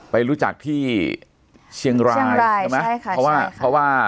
ไปรู้จักที่เชียงรายใช่ไหมใช่ค่ะเพราะว่าเพราะว่า